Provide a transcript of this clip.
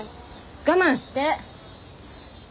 我慢して！